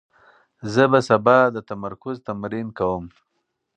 زه به سبا د تمرکز تمرین کوم.